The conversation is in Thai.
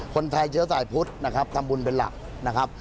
คนไทยเจ้าสายพุทธทำบุญเป็นหลักนะครับ